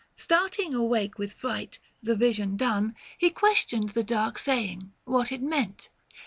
Starting awake with fright : the vision done, He questioned the dark saying — what it meant.